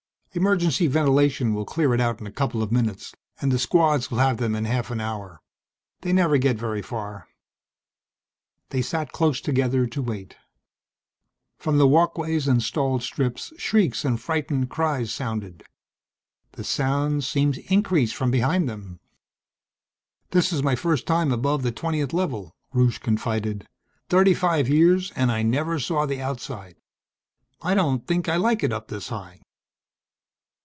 "Emergency ventilation will clear it out in a couple of minutes. And the Squads will have them in half an hour. They never get very far." They sat close together, to wait. From the walkways and stalled strips shrieks and frightened cries sounded. The sounds seemed to increase from behind them. "This's my first time above the Twentieth Level," Rusche confided. "Thirty five years and I never saw the Outside. I don't think I like it up this high."